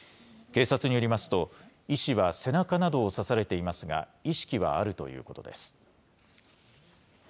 警察によりますと、医師は背中などを刺されていますが、意識はあるということです。